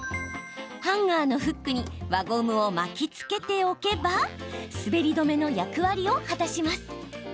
ハンガーのフックに輪ゴムを巻きつけておけば滑り止めの役割を果たします。